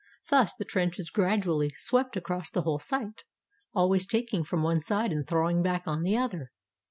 Thus the trench is gradually swept across the whole site, always taking from one side and throwing back on the other.